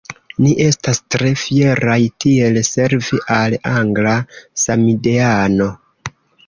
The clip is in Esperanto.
Ni estas tre fieraj tiel servi al angla samideano.